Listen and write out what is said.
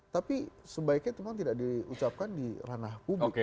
tapi sebaiknya itu memang tidak diucapkan di ranah publik